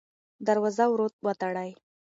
دروازه ورو وتړئ.